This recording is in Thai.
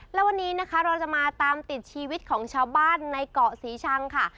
และวันนี้นะคะเราจะมาตามติดชีวิตของชาวบ้านในเกาะศรีชังค่ะ